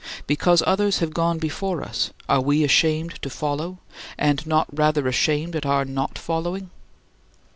Because others have gone before us, are we ashamed to follow, and not rather ashamed at our not following?"